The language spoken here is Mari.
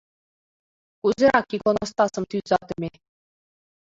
Кузерак иконостасым тӱзатыме?